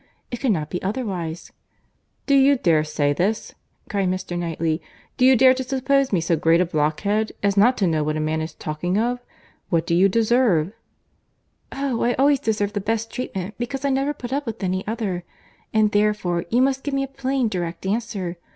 It could not be otherwise. "Do you dare say this?" cried Mr. Knightley. "Do you dare to suppose me so great a blockhead, as not to know what a man is talking of?—What do you deserve?" "Oh! I always deserve the best treatment, because I never put up with any other; and, therefore, you must give me a plain, direct answer.